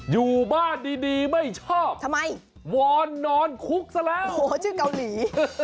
อยู่บ้านดีดีไม่ชอบทำไมวอนนอนคุกซะแล้วโอ้โหชื่อเกาหลี